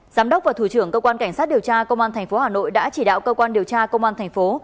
giám đốc và thủ trưởng cơ quan cảnh sát điều tra công an tp hà nội đã chỉ đạo cơ quan điều tra công an thành phố